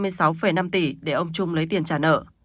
trong hợp đồng trung đã trả nợ ba năm tỷ để ông trung lấy tiền trả nợ